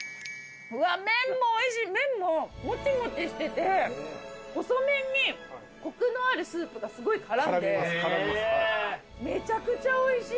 麺ももちもちしてて細麺にコクのあるスープがすごい絡んでめちゃくちゃおいしい！